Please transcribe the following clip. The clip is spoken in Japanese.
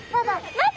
待って！